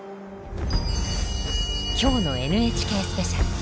今日の「ＮＨＫスペシャル」。